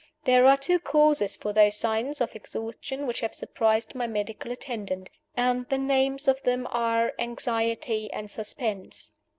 There are two causes for those signs of exhaustion which have surprised my medical attendant and the names of them are Anxiety and Suspense.